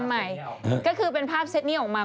มันก็คือเป็นภาพเซทนี่ออกมา